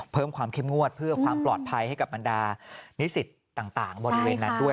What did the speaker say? เพิ่มความเข้มงวดเพื่อความปลอดภัยให้กับบรรดานิสิตต่างบริเวณนั้นด้วย